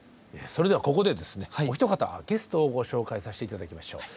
それではここでですねお一方ゲストをご紹介させて頂きましょう。